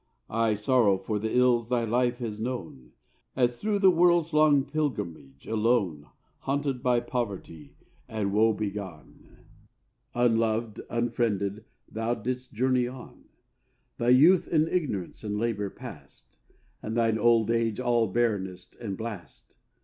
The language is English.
I sorrow for the ills thy life has known As thro' the world's long pilgrimage, alone, Haunted by Poverty and woe begone, Unloved, unfriended, thou didst journey on: Thy youth in ignorance and labour past, And thine old age all barrenness and blast!